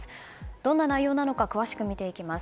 どんな内容なのか詳しく見ていきます。